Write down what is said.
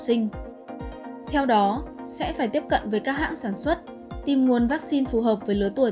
sinh theo đó sẽ phải tiếp cận với các hãng sản xuất tìm nguồn vaccine phù hợp với lứa tuổi